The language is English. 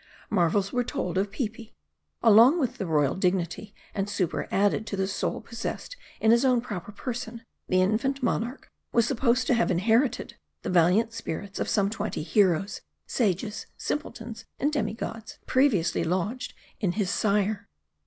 Marvels were told of Peepi. Along with the royal dig nity, and superadded to the soul possessed in his own proper person, the infant monarch was supposed to have inherited the valiant spirits of some twenty heroes, sages, simpletons, and demi gods, previously lodged in his sire.